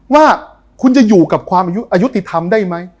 ว่าคุณจะอยู่กับความอายุติธรรมได้ไหม